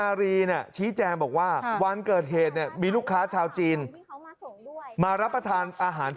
ใช่นี่แหละครับคุณผู้ชมครับนางสาวธนารี